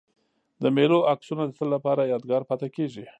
د مېلو عکسونه د تل له پاره یادګار پاته کېږي.